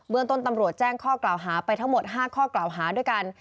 เมืองต้นตำรวจแจ้งข้อกล่าวหาไปทั้งหมด๕ข้อกล่าวหาด้วยกัน